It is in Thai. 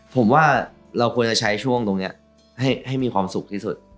ผมว่าเราควรจะใช้ช่วงตรงนี้ให้มีความสุขที่สุด